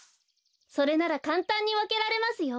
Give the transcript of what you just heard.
それならかんたんにわけられますよ。